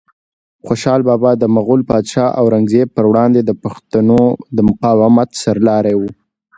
خوشحال بابا د مغول پادشاه اورنګزیب په وړاندې د پښتنو د مقاومت سرلاری و.